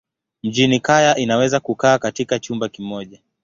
Mjini kaya inaweza kukaa katika chumba kimoja.